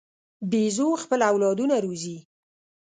بیزو خپل اولادونه روزي.